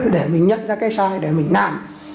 để mình nhận ra cái sai để mình nàn